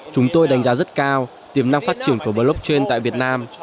chúng tôi đánh giá rất cao tiềm năng phát triển của blockchain tại việt nam